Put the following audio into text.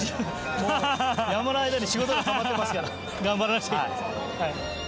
もう山笠の間に仕事がたまってますから頑張らなくちゃ。